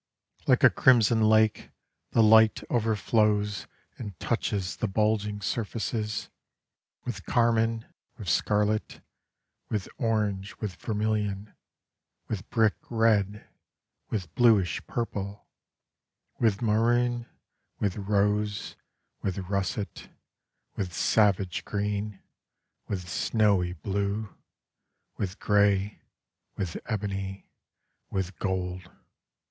Like a crimson lake The light overflows and touches the bulging surfaces With carmine, with scarlet, With orange, with vermillion, With brick red, with bluish purple, With maroon, with rose, with russet, With savage green, with snowy blue, With grey, with ebony, with gold.